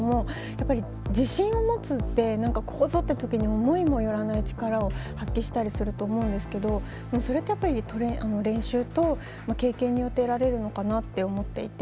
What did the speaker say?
やっぱり、自信を持つってここぞって時に思いもよらない力を発揮したりすると思うんですけどそれってやっぱり練習と経験によって得られるのかなって思っていて。